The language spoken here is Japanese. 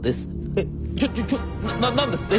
「えちょちょちょ何ですって？